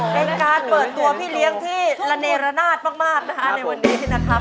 เป็นการเปิดตัวพี่เลี้ยงที่ระเนรนาศมากนะคะในวันนี้นะครับ